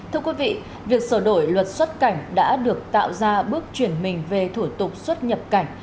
thưa quý vị việc sửa đổi luật xuất cảnh đã được tạo ra bước chuyển mình về thủ tục xuất nhập cảnh